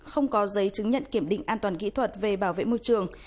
không có giấy chứng nhận kiểm định an toàn kỹ thuật về bảo vệ môi trường